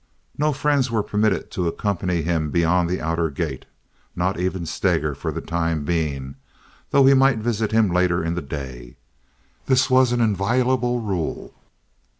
No friends were permitted to accompany him beyond the outer gate—not even Steger for the time being, though he might visit him later in the day. This was an inviolable rule.